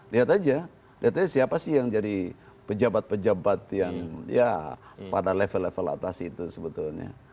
lihat aja lihatnya siapa sih yang jadi pejabat pejabat yang ya pada level level atas itu sebetulnya